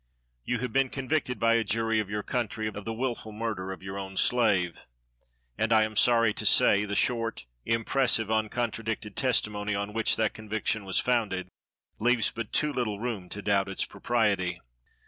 You have been convicted by a jury of your country of the wilful murder of your own slave; and I am sorry to say, the short, impressive, uncontradicted testimony, on which that conviction was founded, leaves but too little room to doubt its propriety.